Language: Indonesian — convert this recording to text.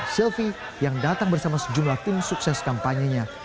sylvi yang datang bersama sejumlah tim sukses kampanyenya